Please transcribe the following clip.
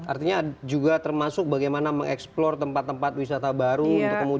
artinya juga termasuk bagaimana mengeksplor tempat tempat wisata baru